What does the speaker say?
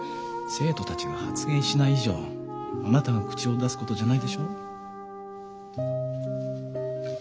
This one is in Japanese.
生徒たちが発言しない以上あなたが口を出すことじゃないでしょ？